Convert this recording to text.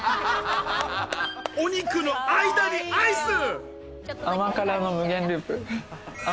お肉の間にアイス。